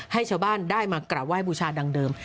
ให้ชาวบ้านได้มากราบไห้บูชาดังเดิม